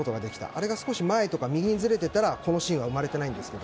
あれが少し前とか右にずれていたらこのシーンは生まれてないんです。